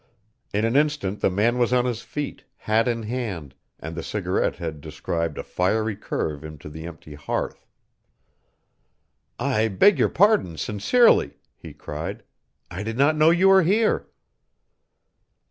In an instant the man was on his feet, hat in hand, and the cigarette had described a fiery curve into the empty hearth. "I beg your pardon, sincerely," he cried, "I did not know you were here!"